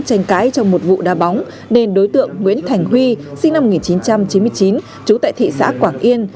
tranh cãi trong một vụ đa bóng nên đối tượng nguyễn thành huy sinh năm một nghìn chín trăm chín mươi chín trú tại thị xã quảng yên